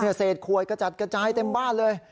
เศษขวดกระจัดกระจายเต็มบ้านเลย